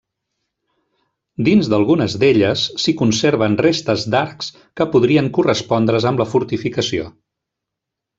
Dins d'algunes d'elles s'hi conserven restes d'arcs que podrien correspondre's amb la fortificació.